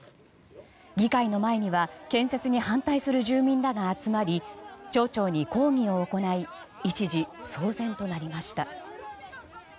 議会の前には建設に反対する住民らが集まり町長に抗議を行い一時、騒然となりました。